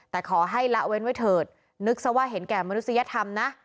แต่ขอให้ละเว้นไว้เถิดนึกซะว่าเห็นแก่มนุษยธรรมนะ